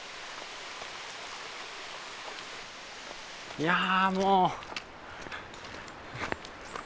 いやもう。